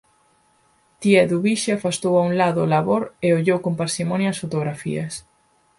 Tía Eduvixe afastou a un lado o labor e ollou con parsimonia as fotografías.